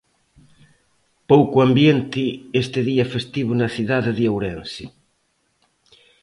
Pouco ambiente este día festivo na cidade de Ourense.